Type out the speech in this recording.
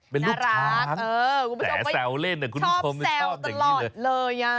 เป็นรูปช้างแต่แซวเล่นคุณผู้ชมชอบอย่างนี้เลย